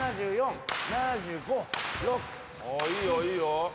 おおいいよいいよ。